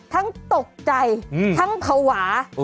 ทั้งตกใจทั้งเผาหวา